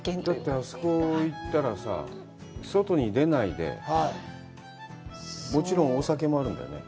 あそこ行ったらさ、外に出ないで、もちろんお酒もあるんだよね？